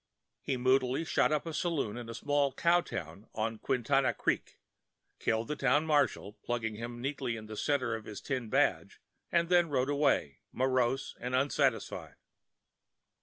He moodily shot up a saloon in a small cow village on Quintana Creek, killed the town marshal (plugging him neatly in the centre of his tin badge), and then rode away, morose and unsatisfied.